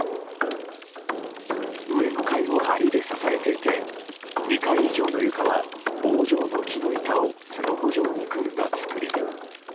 上の階を梁で支えていて２階以上の床は棒状の木の板をすのこ状に組んだ造りに。